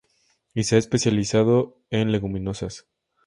Y se ha especializado en leguminosas.